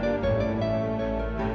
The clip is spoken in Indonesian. nah seperti itu sah